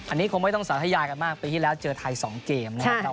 อันนี้คงไม่ต้องสาธยากันมากปีที่แล้วเจอไทย๒เกมนะครับ